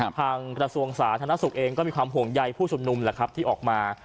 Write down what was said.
กระทรวงสาธารณสุขเองก็มีความห่วงใยผู้ชุมนุมแหละครับที่ออกมา